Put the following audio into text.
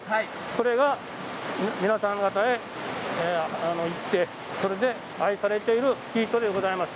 これが皆さん方へいって愛されている生糸でございます。